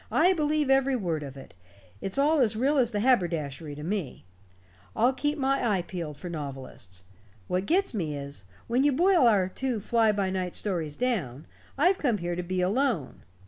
"I believe every word of it. It's all as real as the haberdashery to me. I'll keep my eye peeled for novelists. What gets me is, when you boil our two fly by night stories down, I've come here to be alone.